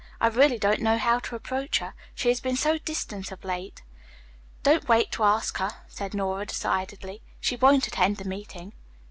"I really don't know how to approach her. She has been so distant of late." "Don't wait to ask her," said Nora decidedly. "She won't attend the meeting."